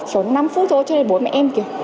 chốn năm phút thôi cho nên bố mẹ em kiểu